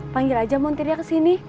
panggil aja montirnya kesini